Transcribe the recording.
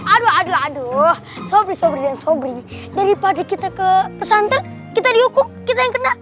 aduh aduh aduh soby sobri dan sobri daripada kita ke pesantren kita dihukum kita yang kena